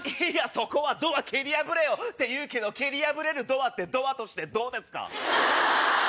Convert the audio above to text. そこはドア蹴り破れよ！っていうけど蹴り破れるドアってドアとしてどうですか？